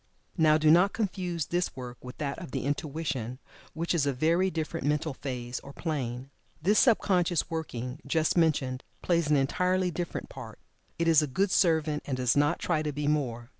Now, do not confuse this work with that of the Intuition, which is a very different mental phase or plane. This sub conscious working, just mentioned, plays an entirely different part. It is a good servant, and does not try to be more.